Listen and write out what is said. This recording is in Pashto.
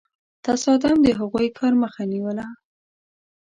تصادم د هغوی کار مخه نیوله.